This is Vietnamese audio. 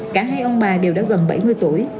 cả hai ông bà đều đã gần bảy mươi tuổi